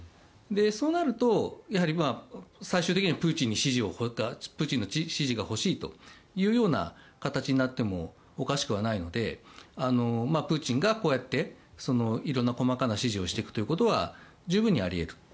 そうなるとやはり最終的にはプーチンの指示が欲しいという形になってもおかしくはないのでプーチンがこうやって色んな細かな指示をしていくということは十分にあり得る。